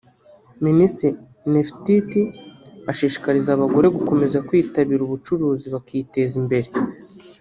Minisitiri Nefertiti ashishikariza abagore gukomeza kwitabira ubucuruzi bakiteza imbere